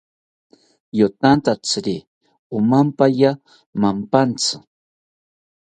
Yotantatziri omampaya mampantzi